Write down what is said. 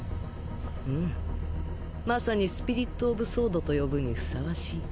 うんまさにスピリットオブソードと呼ぶにふさわしい。